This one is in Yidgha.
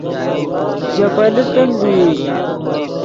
ژے پیلے تند ڤئی